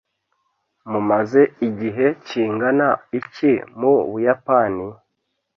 Mumaze igihe kingana iki mu Buyapani?